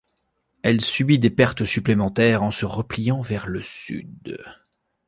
Elle subit des pertes supplémentaires en se repliant vers le sud.